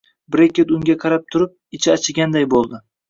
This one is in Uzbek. Brekket unga qarab turib, ichi achiganday bo`ldi